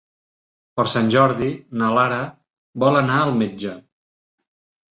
Per Sant Jordi na Lara vol anar al metge.